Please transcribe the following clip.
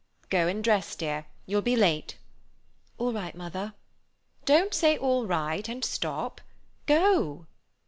"Go and dress, dear; you'll be late." "All right, mother—" "Don't say 'All right' and stop. Go."